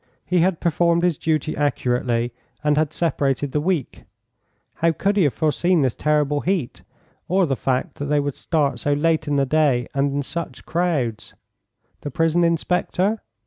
He had performed his duty accurately, and had separated the weak. How could he have foreseen this terrible heat, or the fact that they would start so late in the day and in such crowds? The prison inspector?